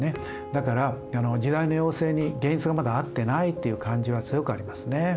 だから時代の要請に現実がまだ合ってないっていう感じは強くありますね。